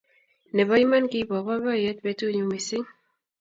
Nebo iman kibo boiboyet betunyu mising